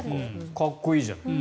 かっこいいじゃん。